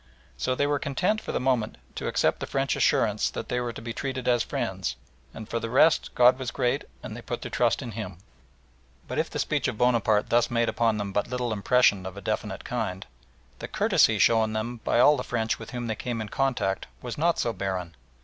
So they were content for the moment to accept the French assurance that they were to be treated as friends, and for the rest God was great, and they put their trust in Him. But if the speech of Bonaparte thus made upon them but little impression of a definite kind, the courtesy shown them by all the French with whom they came in contact was not so barren.